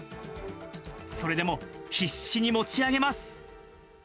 それでも必死に持ち上げます。